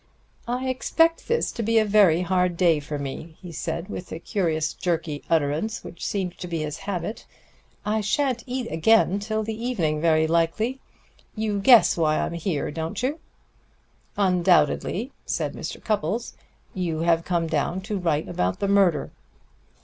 "I expect this to be a hard day for me," he said, with the curious jerky utterance which seemed to be his habit. "I sha'n't eat again till the evening, very likely. You guess why I'm here, don't you?" "Undoubtedly," said Mr. Cupples. "You have come down to write about the murder."